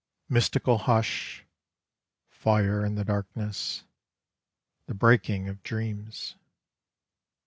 Mystical hush, Fire in the darkness; The breaking of dreams.